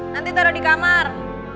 nanti taruh di kamar